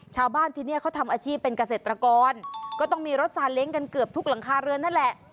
ชาวบ้านที่นี่เขาทำอาชีพเป็นเกษตรกรก็ต้องมีรถซาเล้งกันเกือบทุกหลังคาเรือนนั่นแหละ